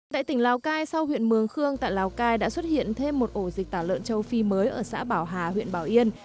tại tỉnh lào cai sau huyện mường khương tại lào cai đã xuất hiện thêm một ổ dịch tả lợn châu phi mới ở xã bảo hà huyện bảo yên